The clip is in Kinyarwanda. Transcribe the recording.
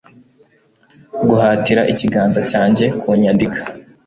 guhatira ikiganza cyanjye kucyandika